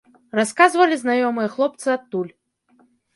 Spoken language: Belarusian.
Расказвалі знаёмыя хлопцы адтуль.